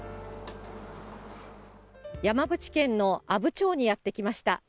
山口県の阿武町にやって来ました。